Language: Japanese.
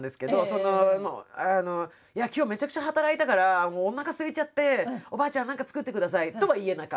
その「今日めちゃくちゃ働いたからおなかすいちゃっておばあちゃん何か作ってください」とは言えなかった。